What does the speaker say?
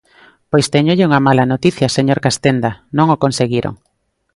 Pois téñolle unha mala noticia, señor Castenda: non o conseguiron.